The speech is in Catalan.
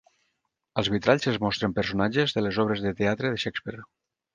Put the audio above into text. Als vitralls es mostren personatges de les obres de teatre de Shakespeare.